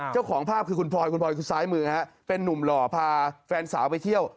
เจ้าของภาพคือคุณพลอยคุณพลอยคือซ้ายมือเป็นนุ่มหล่อพาแฟนสาวไปเที่ยว